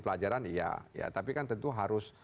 pelajaran iya ya tapi kan tentu harus